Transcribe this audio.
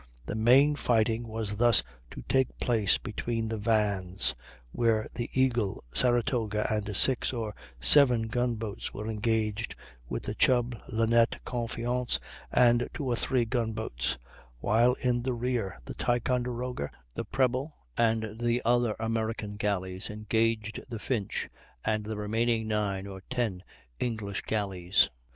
The main fighting was thus to take place between the vans, where the Eagle, Saratoga, and six or seven gun boats were engaged with the Chubb, Linnet, Confiance, and two or three gun boats; while in the rear, the Ticonderoga, the Preble, and the other American galleys engaged the Finch and the remaining nine or ten English galleys.